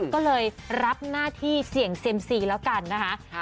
ก็เลยรับหน้าที่เสี่ยงเซียมซีแล้วกันนะคะ